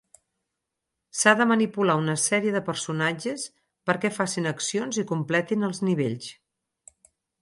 S'ha de manipular una sèrie de personatges perquè facin accions i completin els nivells.